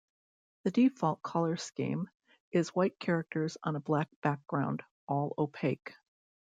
The default color scheme is white characters on a black background, all opaque.